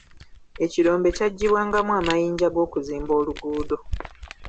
Ekirombe kyaggybwangamu amayinja g'okuzimba oluguudo.